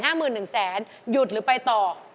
หยุดหรือไปต่อ